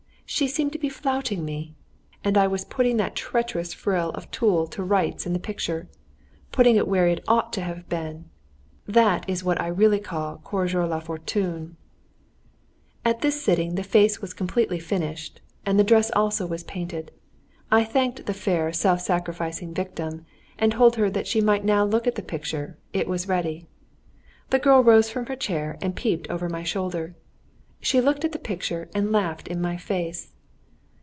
She seemed to be flouting me. And I was putting that treacherous frill of tulle to rights in the picture, putting it where it ought to have been. That is what I really call "corriger la fortune." At this sitting the face was completely finished, and the dress also was painted. I thanked the fair self sacrificing victim, and told her that she might now look at the picture; it was ready. The girl rose from her chair and peeped over my shoulder. She looked at the picture and laughed in my face.